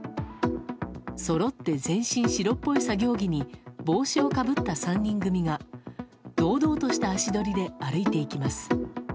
そろって全身白っぽい作業着に帽子をかぶった３人組が堂々とした足取りで歩いていきます。